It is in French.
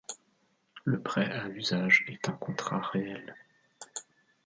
Le prêt à usage est un contrat réel.